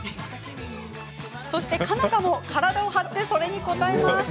そして、佳奈花も体を張ってそれに応えます。